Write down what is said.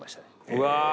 うわ